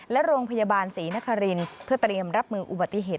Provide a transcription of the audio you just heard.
และโรงพยาบาลศรีนครินทร์เพื่อเตรียมรับมืออุบัติเหตุ